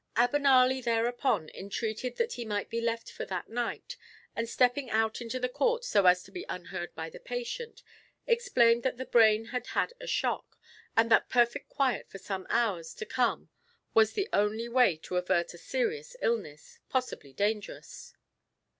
Abenali thereupon intreated that he might be left for that night, and stepping out into the court so as to be unheard by the patient, explained that the brain had had a shock, and that perfect quiet for some hours to come was the only way to avert a serious illness, possibly dangerous.